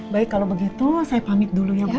baik kalau begitu saya pamit dulu ya bu